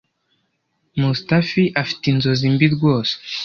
mustaffi afite inzozi mbi rwose